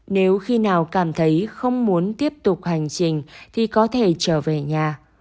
nếu khi nào cảm thấy không muốn tiếp tục hành trình thì có thể trở về nhà